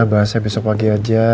bahasnya besok pagi aja